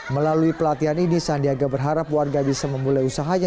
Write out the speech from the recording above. melalui pelatihan ini sandiaga berharap warga bisa memulai usahanya